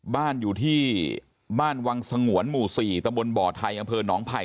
บ้านอยู่ที่บ้านวังสงวนหมู่๔ตำบลบ่อไทยอำเภอหนองไผ่